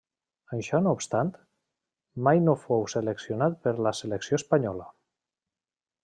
Això no obstant, mai no fou seleccionat per la selecció espanyola.